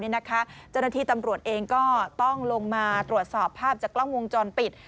เจ้าหน้าที่ตำรวจเองก็ต้องลงมาตรวจสอบภาพจากกล้องวงจรปิด